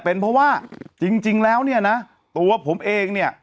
เป็นเพราะว่าจริงแล้วเนี่ยนะตัวผมเองเนี่ย